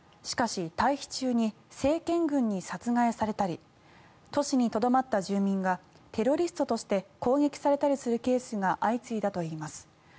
しかし、退避中に政権軍に殺害されたり年にとどまった住人がテロリストとして攻撃されたりするケースが相次いだといいます。